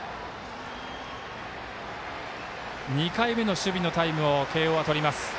２回目の守備のタイムを慶応はとります。